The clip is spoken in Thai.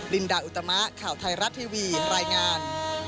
ลินดาอุตมะข่าวไทยรัฐทีวีรายงาน